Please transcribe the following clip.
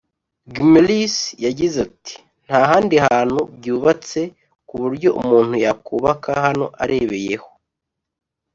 Gummerus yagize ati “Nta handi hantu byubatse ku buryo umuntu yakubaka hano arebeyeho